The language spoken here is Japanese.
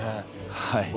はい。